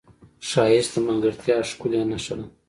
ښایست د ملګرتیا ښکلې نښه ده